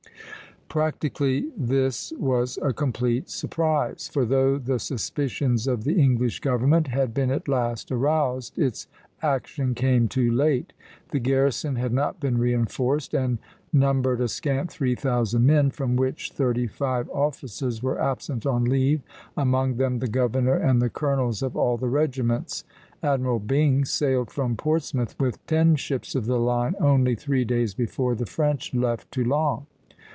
Practically this was a complete surprise; for though the suspicions of the English government had been at last aroused, its action came too late. The garrison had not been reinforced, and numbered a scant three thousand men, from which thirty five officers were absent on leave, among them the governor and the colonels of all the regiments. Admiral Byng sailed from Portsmouth with ten ships of the line only three days before the French left Toulon.